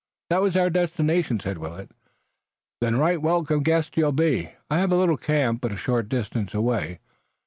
"That was our destination," said Willet. "Then right welcome guests you'll be. I have a little camp but a short distance away.